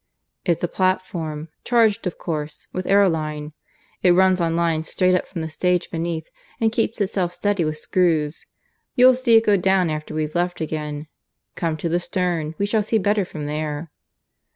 "It's a platform, charged of course with aeroline. It runs on lines straight up from the stage beneath, and keeps itself steady with screws. You'll see it go down after we've left again. Come to the stern, we shall see better from there."